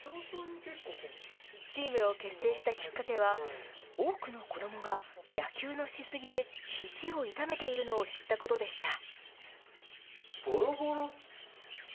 チームを結成したきっかけは、多くの子どもが野球のし過ぎでひじを痛めているのを知ったことでした。